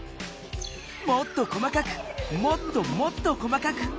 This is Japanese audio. もっと細かくもっともっと細かく。